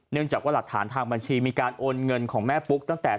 จากว่าหลักฐานทางบัญชีมีการโอนเงินของแม่ปุ๊กตั้งแต่